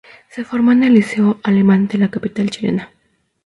Se formó en el Liceo Alemán de la capital chilena.